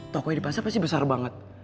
tokonya di pasar pasti besar banget